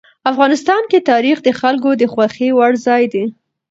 افغانستان کې تاریخ د خلکو د خوښې وړ ځای دی.